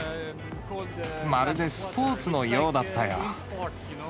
まるでスポーツのようだったよ。